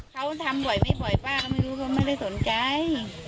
เขาทำบ่อยไม่บ่อยป้าก็ไม่รู้เขาไม่ได้สนใจ